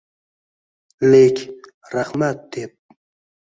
Lek, rahmat, deb